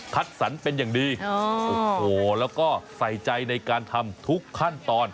สรรเป็นอย่างดีโอ้โหแล้วก็ใส่ใจในการทำทุกขั้นตอน